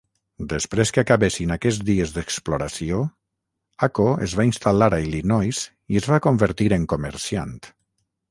Després que acabessin aquests dies d'exploració, Aco es va instal·lar a Illinois i es va convertir en comerciant.